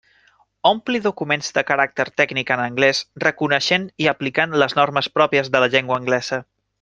Ompli documents de caràcter tècnic en anglés reconeixent i aplicant les normes pròpies de la llengua anglesa.